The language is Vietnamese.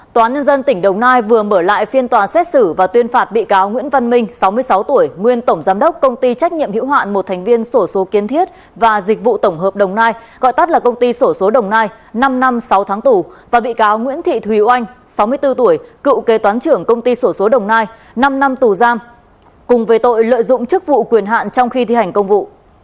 tòa nhân dân tỉnh đồng nai vừa mở lại phiên tòa xét xử và tuyên phạt bị cáo nguyễn văn minh sáu mươi sáu tuổi nguyên tổng giám đốc công ty trách nhiệm hiệu hoạn một thành viên sổ số kiên thiết và dịch vụ tổng hợp đồng nai gọi tắt là công ty sổ số đồng nai năm năm sáu tháng tù và bị cáo nguyễn thị thùy oanh sáu mươi bốn tuổi cựu kê toán trưởng công ty sổ số đồng nai năm năm tù giam cùng về tội lợi dụng chức vụ quyền hạn trong khi thi hành công vụ